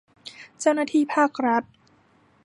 เจ้าหน้าที่ภาครัฐ